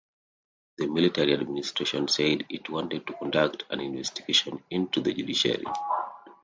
The military administration said it wanted to conduct an investigation into the judiciary.